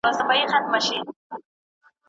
هغه دروېش دی